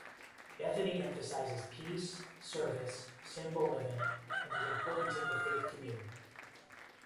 Bethany emphasizes peace, service, simple living, and the importance of the faith community.